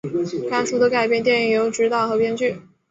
该书的改编电影由执导和编剧。